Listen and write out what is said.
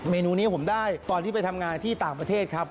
เมนูนี้ผมได้ตอนที่ไปทำงานที่ต่างประเทศครับ